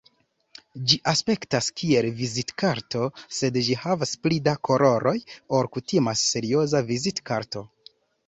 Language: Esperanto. Ĝi aspektas kiel vizitkarto, sed ĝi havas pli da koloroj ol kutima serioza vizitkarto.